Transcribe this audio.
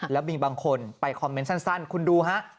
แล้วมีบางคนไปคอมเมนต์สั้นคุณดูฮะ